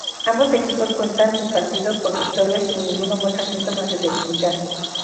Ambos equipos cuentan sus partidos por victorias y ninguno muestra síntomas de debilidad.